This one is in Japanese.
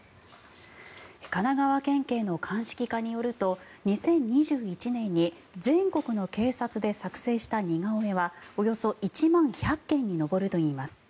神奈川県警の鑑識課によると２０２１年に全国の警察で作成した似顔絵はおよそ１万１００件に上るといいます。